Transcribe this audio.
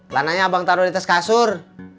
lananya abang taruh di tas kasur